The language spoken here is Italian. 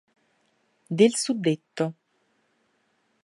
Del suddetto.